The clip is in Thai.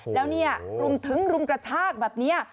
แล้วเนี่ยรุมถึงรุมกระชากแบบนี้